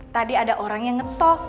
tadi ada orang yang ngetok